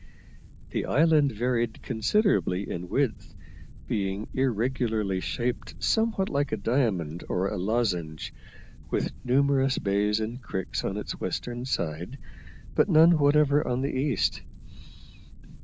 The island varied considerably in width, being irregularly shaped somewhat like a diamond or lozenge, with numerous bays and creeks on its western side, but none whatever on the east.